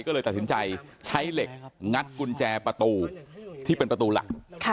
ก็เลยตัดสินใจใช้เหล็กงัดกุญแจประตูที่เป็นประตูหลัก